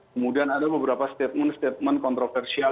kemudian ada beberapa statement statement kontroversial